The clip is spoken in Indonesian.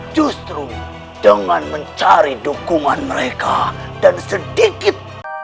justru dengan mencari dukungan mereka dan sedikit